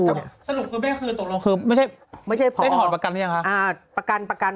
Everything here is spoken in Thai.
สรุปคือแม่คือตกลงคือทรอน